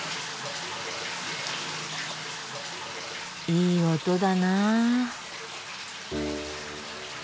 いい音だな。